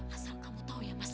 asal kamu tahu ya mas